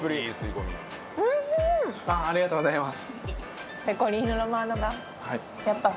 ありがとうございます。